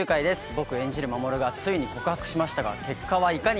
僕演じる守がついに告白しましたが結果はいかに？